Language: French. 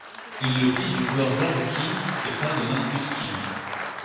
Il est le fils du joueur Georg Kink et frère de Marcus Kink.